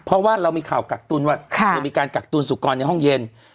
เพราะว่าเรามีข่าวกักตุ้นว่าจะมีการกักตุนสุกรในห้องเย็น